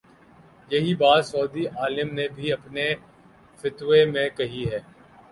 یہی بات سعودی عالم نے بھی اپنے فتوے میں کہی ہے۔